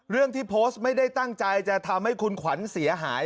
เรื่องที่โพสต์ไม่ได้ตั้งใจจะทำให้คุณขวัญเสียหาย